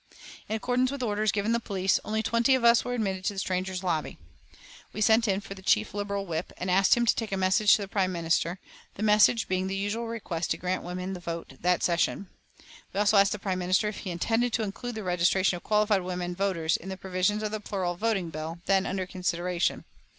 In accordance with orders given the police, only twenty of us were admitted to the Strangers' Lobby. We sent in for the chief Liberal whip, and asked him to take a message to the Prime Minister, the message being the usual request to grant women the vote that session. We also asked the Prime Minister if he intended to include the registration of qualified women voters in the provisions of the plural voting bill, then under consideration.